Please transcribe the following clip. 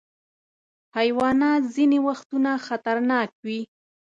حیوانات ځینې وختونه خطرناک وي.